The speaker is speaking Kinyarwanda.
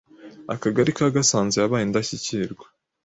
Akagali ka Gasanze yabaye Indashyikirwa